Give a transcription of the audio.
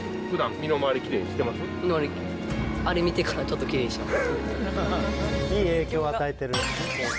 身の回り、あれ見てからちょっときれいにしてます。